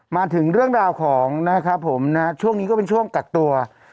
มาถึงเรื่องราวของนะครับผมนะช่วงนี้ก็เป็นช่วงกักตัว